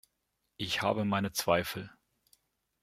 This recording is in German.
Ich habe meine Zweifel.